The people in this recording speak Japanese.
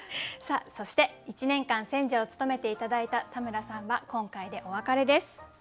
そして１年間選者を務めて頂いた田村さんは今回でお別れです。